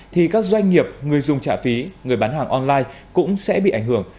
thì các doanh nghiệp người dùng trả phí người bán hàng online cũng sẽ bị ảnh hưởng